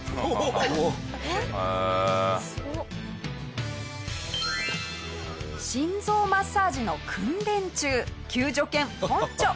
下平：心臓マッサージの訓練中救助犬、ポンチョ。